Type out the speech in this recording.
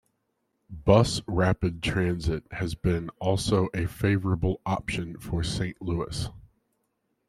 Bus rapid transit has been also a favorable option for Saint Louis.